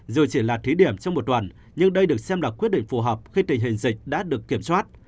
dù chỉ là thí điểm trong một đoàn nhưng đây được xem là quyết định phù hợp khi tình hình dịch đã được kiểm soát